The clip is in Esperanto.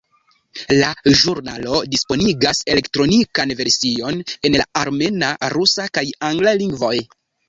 La ĵurnalo disponigas elektronikan version en la armena, rusa kaj angla lingvoj.